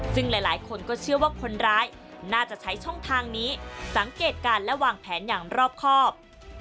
ซึ่งหลายคนก็เชื่อว่าคนร้ายน่าจะใช้ช่องทางนี้สังเกตการณ์และวางแผนอย่างรอบครอบ